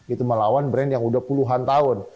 itu melawan brand yang udah puluhan tahun